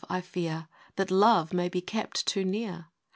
I fear That Love may be kept too near.